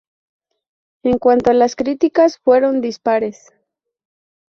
En cuanto a las críticas, fueron dispares.